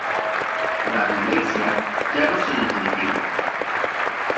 La violencia ya no se detendría.